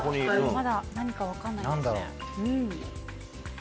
まだ何か分かんないんですね。